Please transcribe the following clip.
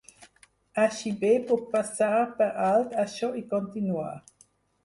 Així bé puc passar per alt això i continuar.